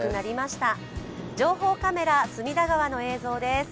情報カメラ、隅田川の映像です。